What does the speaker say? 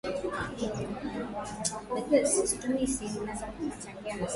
ya siri Aidha yeye inadaiwa aliiba ripoti na habari aliyoyapata Taarifa hizi kuathirika maarufu